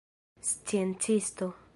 sciencisto